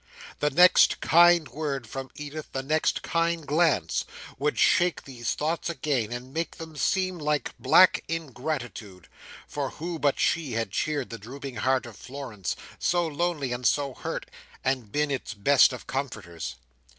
The next kind word from Edith, the next kind glance, would shake these thoughts again, and make them seem like black ingratitude; for who but she had cheered the drooping heart of Florence, so lonely and so hurt, and been its best of comforters!